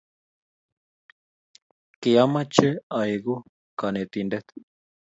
kiameche aleku konetindet